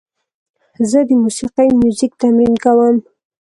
زه د موسیقۍ میوزیک تمرین کوم.